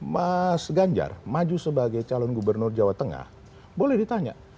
mas ganjar maju sebagai calon gubernur jawa tengah boleh ditanya